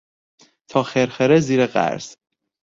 تا خرخره زیر قرض